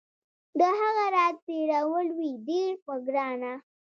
د هغه راتېرول وي ډیر په ګرانه